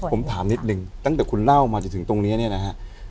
ผมถามนิดนึงตั้งแต่คุณเล่ามาจนถึงตรงนี้เนี่ยนะฮะ